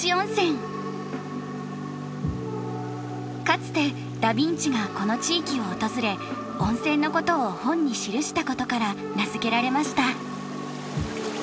かつてダビンチがこの地域を訪れ温泉のことを本に記したことから名付けられました。